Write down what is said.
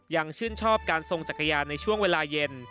ชื่นชอบการทรงจักรยานในช่วงเวลาเย็น